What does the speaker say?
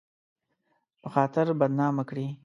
په خاطر بدنامه کړي